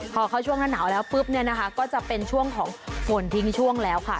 พอเข้าช่วงหน้าหนาวแล้วปุ๊บเนี่ยนะคะก็จะเป็นช่วงของฝนทิ้งช่วงแล้วค่ะ